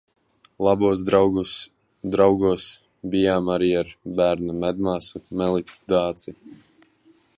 Labos draugos bijām arī ar bērnu medmāsu Melitu Dāci.